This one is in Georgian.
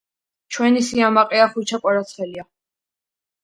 ჩვენი სიამაყეა ხვიჩა კვარაცხელია